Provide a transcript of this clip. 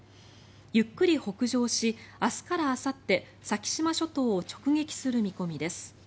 ゆっくり北上し明日からあさって先島諸島を直撃する見込みです。